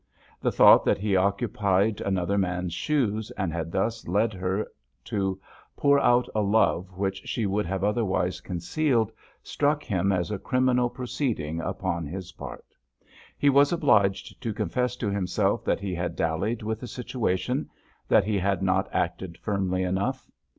The thought that he occupied another's man shoes, and had thus led her to pour out a love which she would have otherwise concealed, struck him as a criminal proceeding upon his part. He was obliged to confess to himself that he had dallied with the situation, that he had not acted firmly enough.